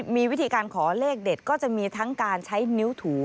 มีวิธีการขอเลขเด็ดก็จะมีทั้งการใช้นิ้วถู